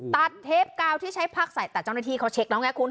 เทปกาวที่ใช้พักใส่แต่เจ้าหน้าที่เขาเช็คแล้วไงคุณ